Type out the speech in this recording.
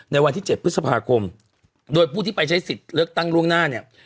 ในวันที่๗พฤษภาคมโดยผู้ที่ไปใช้สิทธิ์เลือกตั้งล่วงหน้าเนี่ย